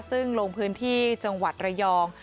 ซึ่งลงพื้นที่จังหวัดระยอง